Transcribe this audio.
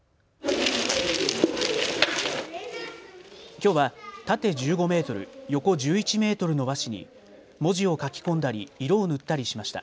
きょうは縦１５メートル、横１１メートルの和紙に文字を書き込んだり色を塗ったりしました。